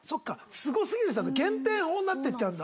すごすぎる人は減点法になっていっちゃうんだ。